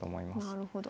なるほど。